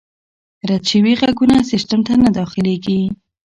رد شوي ږغونه سیسټم ته نه داخلیږي.